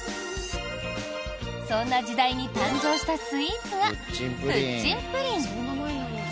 そんな時代に誕生したスイーツがプッチンプリン。